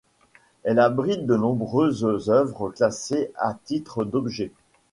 Elle abrite de nombreuses œuvres classées à titre d'objets.